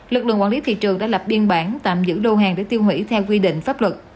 lực lượng quản lý thị trường đã lập biên bản tạm giữ lô hàng để tiêu hủy theo quy định pháp luật